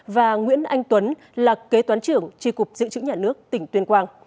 và nguyễn anh tuấn là kế toán trưởng tri cục giữ chữ nhà nước tỉnh tuyên quang